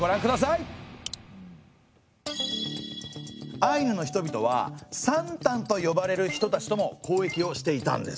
アイヌの人々はサンタンと呼ばれる人たちとも交易をしていたんです。